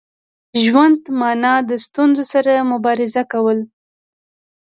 ژوند مانا د ستونزو سره مبارزه کول.